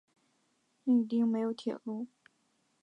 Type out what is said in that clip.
町内没有铁路。